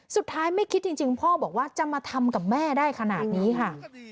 ไม่คิดจริงพ่อบอกว่าจะมาทำกับแม่ได้ขนาดนี้ค่ะ